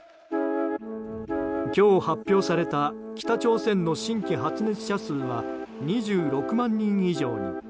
今日、発表された北朝鮮の新規発熱者数は２６万人以上に。